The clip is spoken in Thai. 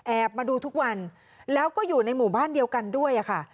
มาดูทุกวันแล้วก็อยู่ในหมู่บ้านเดียวกันด้วยค่ะ